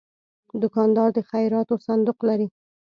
دوکاندار د خیراتو صندوق لري.